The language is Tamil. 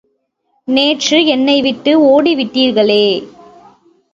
நேற்று என்னைவிட்டு ஓடிவிட்டீர்களே!